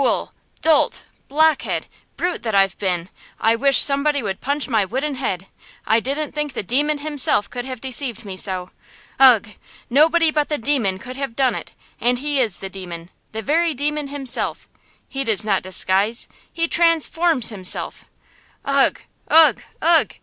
Fool! dolt! blockhead! Brute that I've been! I wish somebody would punch my wooden head! I didn't think the demon himself could have deceived me so! Ugh! Nobody but the demon could have done it! and he is the demon! The very demon himself! He does not disguise–he transforms himself! Ugh! ugh! ugh!